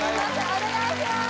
お願いします